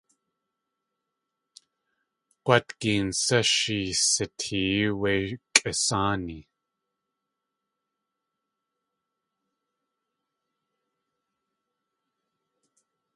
G̲wátgeen sá sheesitee wé kʼisáani?